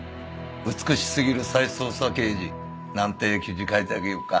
「美しすぎる再捜査刑事」なんて記事書いてあげようか？